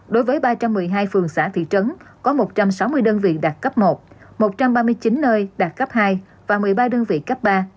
đối với ba trăm một mươi hai phường xã thị trấn có một trăm sáu mươi đơn vị đạt cấp một một trăm ba mươi chín nơi đạt cấp hai và một mươi ba đơn vị cấp ba